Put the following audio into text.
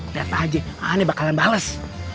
lihat aja aneh bakalan bales